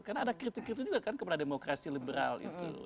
karena ada kritik kritik juga kan kepada demokrasi liberal itu